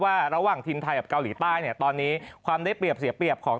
ระหว่างทีมไทยกับเกาหลีใต้เนี่ยตอนนี้ความได้เปรียบเสียเปรียบของ